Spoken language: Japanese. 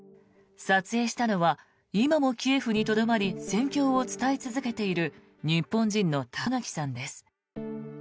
撮影したのは今もキエフにとどまり戦況を伝え続けている日本人の高垣さんです。